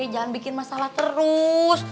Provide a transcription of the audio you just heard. jangan bikin masalah terus